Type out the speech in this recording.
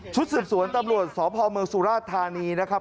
ชุดศิษย์สวนตำรวจศพเมืองสุราชธานีครับ